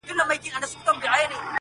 د خپلي ژبي په بلا.